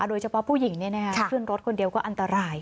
โดยเฉพาะผู้หญิงขึ้นรถคนเดียวก็อันตราย